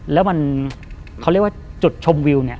แล้วมันเขาเรียกว่าจุดชมวิวเนี่ย